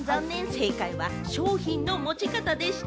正解は商品の持ち方でした。